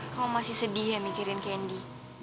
kamu masih sedih ya mikirin candy